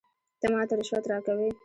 ته ماته رشوت راکوې ؟